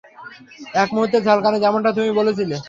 এক মুহূর্তের ঝলকানি, যেমনটা তুমি বলছিলে!